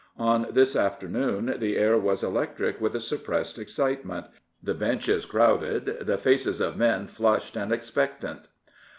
On this afternoon the air was electric with a suppressed excitement; the benches crowded, the faces of men flushed and expectant.